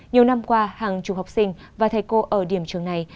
nhiều năm qua hàng chục học sinh và thầy cô ở điểm trường này